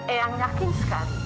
eang yakin sekali